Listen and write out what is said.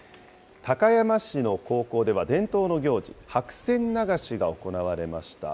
高山市の高校では、伝統の行事、白線流しが行われました。